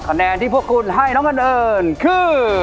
คะแนนที่พวกคุณให้น้องอันเอิญคือ